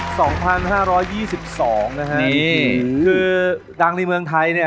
สองพันห้าร้อยยี่สิบสองนะฮะนี่คือดังในเมืองไทยเนี่ย